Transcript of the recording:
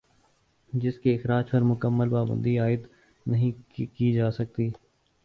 جس کے اخراج پر مکمل پابندی عائد نہیں کی جاسکتی